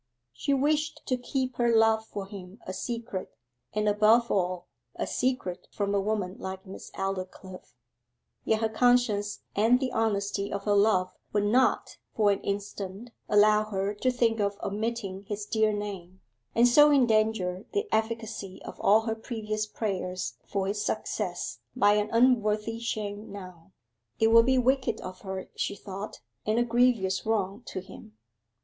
She wished to keep her love for him a secret, and, above all, a secret from a woman like Miss Aldclyffe; yet her conscience and the honesty of her love would not for an instant allow her to think of omitting his dear name, and so endanger the efficacy of all her previous prayers for his success by an unworthy shame now: it would be wicked of her, she thought, and a grievous wrong to him.